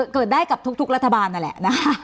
เกิดได้กับทุกรัฐบาลนั่นแหละนะคะ